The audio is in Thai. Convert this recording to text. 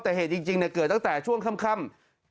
แต่เหตุจริงเกิดตั้งแต่ช่วงค่ำ